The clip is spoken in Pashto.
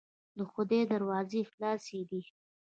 د خدای دروازې خلاصې دي.